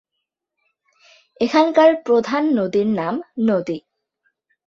এখানকার প্রধান নদীর নাম নদী।